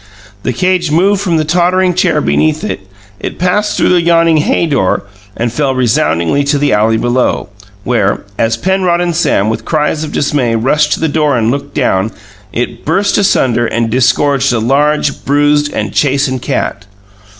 The cage moved from the tottering chair beneath it. It passed through the yawning hay door and fell resoundingly to the alley below, where as Penrod and Sam, with cries of dismay, rushed to the door and looked down it burst asunder and disgorged a large, bruised and chastened cat.